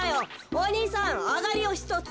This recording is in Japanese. おにいさんあがりをひとつ。